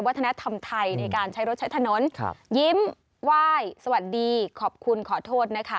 วัฒนธรรมไทยในการใช้รถใช้ถนนยิ้มไหว้สวัสดีขอบคุณขอโทษนะคะ